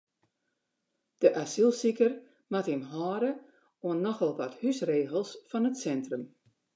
De asylsiker moat him hâlde oan nochal wat húsregels fan it sintrum.